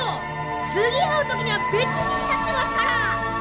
次会う時には別人になってますから！